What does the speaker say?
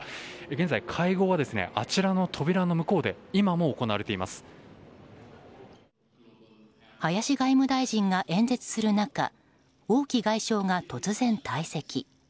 現在、会合はあちらの扉の奥で林外務大臣が演説する中王毅外相が突然退席。